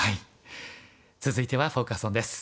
続いてはフォーカス・オンです。